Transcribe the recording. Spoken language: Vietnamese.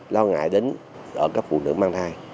lo ngại đến ở các phụ nữ mang thai